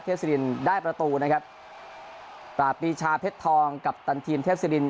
สิรินได้ประตูนะครับปราบปีชาเพชรทองกัปตันทีมเทพศิริน